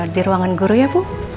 di ruangan guru ya bu